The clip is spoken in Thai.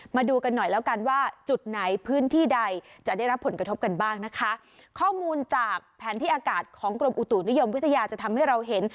มาดูกันหน่อยแล้วกันว่าจุดไหนพื้นที่ใดจะได้รับผลกระทบกันบ้างนะคะข้อมูลจากแผนที่อากาศของกรมอุตุนิยมวิทยาจะทำให้เราเห็น